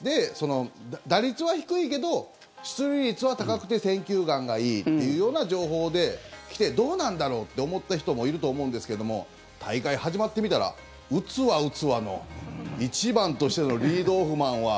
打率は低いけど出塁率は高くて選球眼がいいというような情報で来てどうなんだろうって思った人もいると思うんですけども大会始まってみたら打つわ、打つわの１番としてのリードオフマンは。